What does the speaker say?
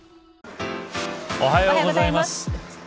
おはようございます。